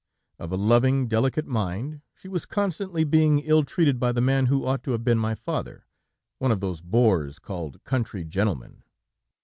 Of a loving, delicate mind, she was constantly being ill treated by the man who ought to have been my father, one of those bores called country gentleman.